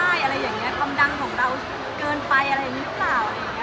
หมายถึงว่าความดังของผมแล้วทำให้เพื่อนมีผลกระทบอย่างนี้หรอค่ะ